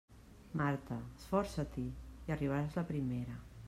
Marta, esforça-t'hi i arribaràs la primera.